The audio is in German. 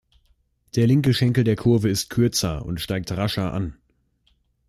Der linke Schenkel der Kurve ist kürzer und steigt rascher an.